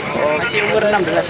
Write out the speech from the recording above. masih umur enam belas